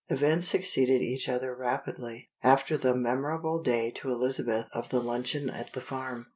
EVENTS succeeded each other rapidly, after the memorable day to Isabel of the luncheon at the farm.